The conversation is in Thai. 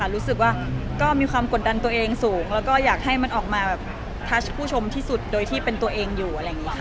รู้สึกว่าก็มีความกดดันตัวเองสูงแล้วก็อยากให้มันออกมาแบบทัชผู้ชมที่สุดโดยที่เป็นตัวเองอยู่อะไรอย่างนี้ค่ะ